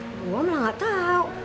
oh gue malah gak tau